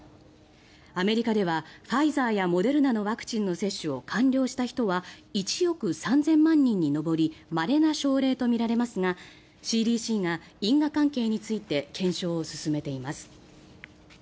アメリカではファイザーやモデルナのワクチンの接種を完了した人は１億３０００万人に上りまれな症例とみられますがＣＤＣが因果関係について検証を進めています。